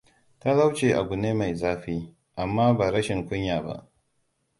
Talauci abune mai zafi, amma ba rashin kunya ba.